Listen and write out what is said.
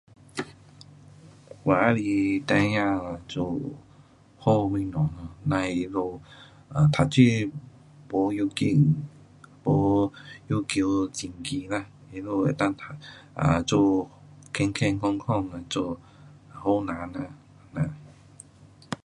我喜欢孩儿做好的东西，没他们读书不要紧，没要求很高啦，他们能够做，健健康康地做好人。